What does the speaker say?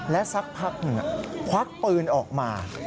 และสักพักหนึ่งควักปืนออกมา